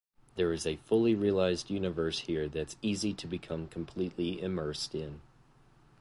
There is a fully realized universe here that's easy to become completely immersed in.